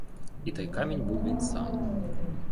І той камінь був він сам.